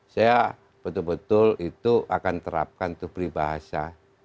saya betul betul itu akan terapkan untuk beri bahasa